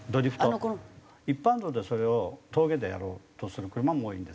一般道ではそれを峠でやろうとする車も多いんですね。